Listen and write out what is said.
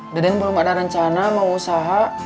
deden belum ada rencana mau usaha